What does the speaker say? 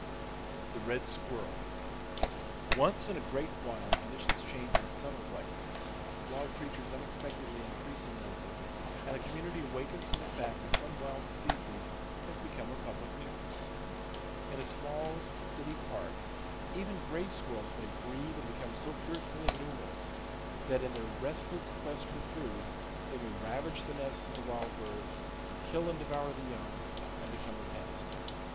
The Red Squirrel. —Once in a great while, conditions change in subtle ways, wild creatures unexpectedly increase in number, and a community awakens to the fact that some wild species has become a public nuisance. In a small city park, even gray squirrels may breed and become so fearfully numerous that, in their restless quest for food, they may ravage the nests of the wild birds, kill and devour the young, and become a pest.